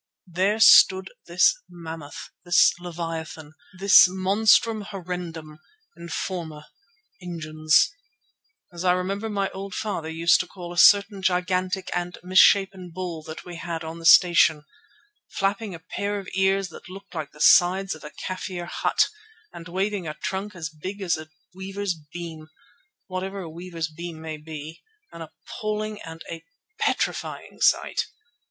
There stood this mammoth, this leviathan, this monstrum horrendum, informe, ingens, as I remember my old father used to call a certain gigantic and misshapen bull that we had on the Station, flapping a pair of ears that looked like the sides of a Kafir hut, and waving a trunk as big as a weaver's beam—whatever a weaver's beam may be—an appalling and a petrifying sight.